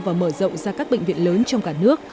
và mở rộng ra các bệnh viện lớn trong cả nước